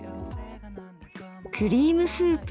クリームスープ